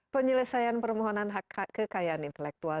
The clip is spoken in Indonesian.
penyelesaian permohonan hak kekayaan intelektual